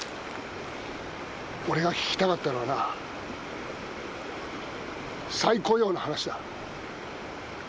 俺が聞きたかったのはな再雇用の話だ。